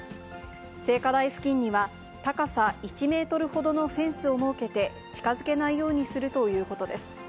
聖火台付近には、高さ１メートルほどのフェンスを設けて、近づけないようにするということです。